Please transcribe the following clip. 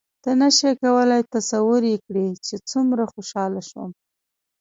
ته نه شې کولای تصور یې کړې چې څومره خوشحاله شوم.